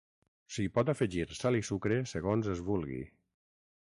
S'hi pot afegir sal i sucre segons es vulgui.